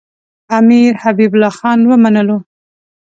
امیر حبیب الله خان ومنلو.